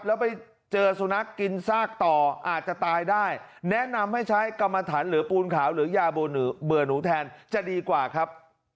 แล้วไปเจอสุนัขกินซากต่ออาจจะตายได้แนะนำให้ใช้กรรมฐานหรือปูนขาวหรือยาเบื่อหนูแทนจะดีกว่าครับ